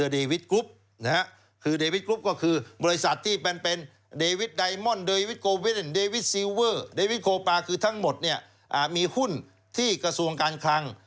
เดวิทโคปาคือทั้งหมดมีหุ้นที่กระทรวงการคลัง